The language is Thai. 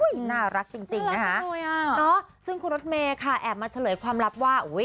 น่ารักจริงนะคะซึ่งคุณรถเมย์ค่ะแอบมาเฉลยความลับว่าอุ้ย